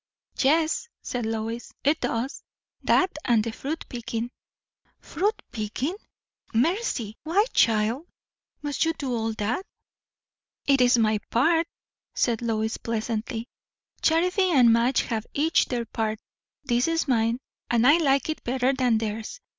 "Yes," said Lois, "it does; that and the fruit picking." "Fruit picking! Mercy! Why, child, must you do all that?" "It is my part," said Lois pleasantly. "Charity and Madge have each their part. This is mine, and I like it better than theirs.